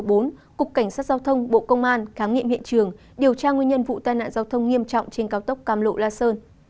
cục cảnh sát giao thông bộ công an khám nghiệm hiện trường điều tra nguyên nhân vụ tai nạn giao thông nghiêm trọng trên cao tốc cam lộ la sơn